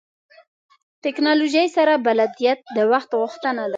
ټکنالوژۍ سره بلدیت د وخت غوښتنه ده.